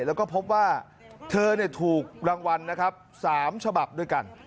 แล้วก็พบว่าเธอถูกรางวัลนะครับ๓ฉบับด้วยกัน